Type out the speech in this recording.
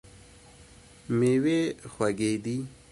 میوې خوږې دي.